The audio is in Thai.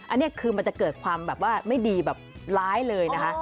อันนี้คือมันจะเกิดความแบบว่าไม่ดีแบบร้ายเลยนะคะ